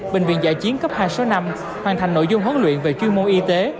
bệnh viện giã chiến cấp hai số năm hoàn thành nội dung huấn luyện về chuyên môn y tế